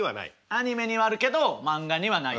アニメにはあるけど漫画にはない。